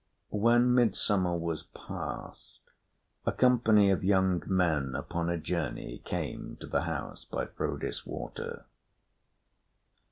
When midsummer was past, a company of young men upon a journey came to the house by Frodis Water.